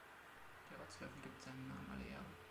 Der Rotzlöffel gibt seinem Namen alle Ehre.